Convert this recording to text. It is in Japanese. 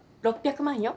６００万よ。